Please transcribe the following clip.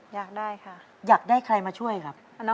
อยากได้ค่ะอยากได้ใครมาช่วยครับ